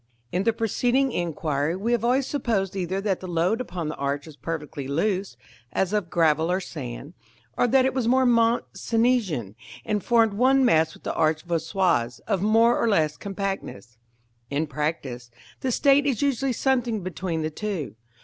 In the preceding enquiry we have always supposed either that the load upon the arch was perfectly loose, as of gravel or sand, or that it was Mont Cenisian, and formed one mass with the arch voussoirs, of more or less compactness. [Illustration: Fig. XXXV.] In practice, the state is usually something between the two.